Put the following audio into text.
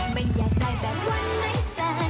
ไม่อยากได้แบบว่าไร้แต่